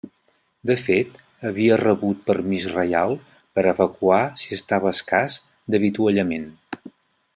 De fet havia rebut permís reial per evacuar si estava escàs d'avituallament.